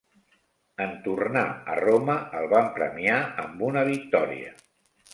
En tornar a Roma, el van premiar amb una victòria.